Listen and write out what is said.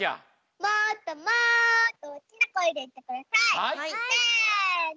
もっともっとおっきなこえでいってください。せの！